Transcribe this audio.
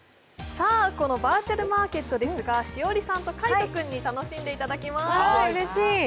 バーチャルマーケットですが、栞里さんと海音君に楽しんでいただきます。